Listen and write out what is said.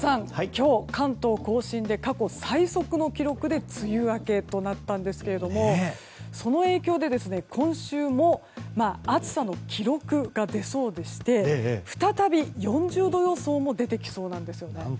今日、関東・甲信で過去最速の記録で梅雨明けとなったんですがその影響で今週も暑さの記録が出そうでして再び４０度予想も出てきそうです。